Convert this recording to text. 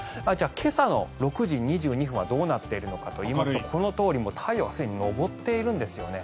今朝の６時２２分はどうなっているかといいますとこのとおり太陽はすでに昇っているんですよね。